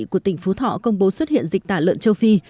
của tỉnh phú thọ công bố xuất hiện dịch tả lợn châu phi